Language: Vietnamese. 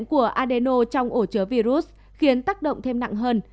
của adeno trong ổ chứa virus khiến tác động thêm nặng hơn